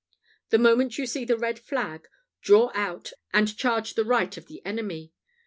The moment you see the red flag, draw out and charge the right of the enemy.